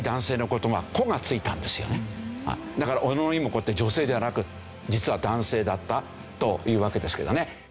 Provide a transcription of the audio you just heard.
だから小野妹子って女性ではなく実は男性だったというわけですけどね。